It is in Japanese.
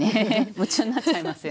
夢中になっちゃいますよね。